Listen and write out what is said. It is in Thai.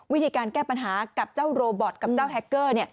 วิธีการแก้ปัญหากับเจ้าโรบอทกับเจ้าแฮคเกอร์